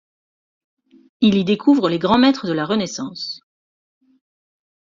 Il y découvre les grands maîtres de la renaissance.